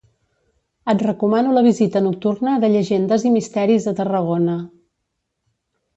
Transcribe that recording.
Et recomano la visita nocturna de llegendes i misteris a Tarragona.